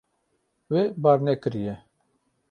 Wê bar nekiriye.